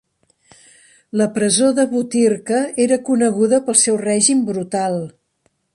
La presó de Butyrka era coneguda pel seu règim brutal.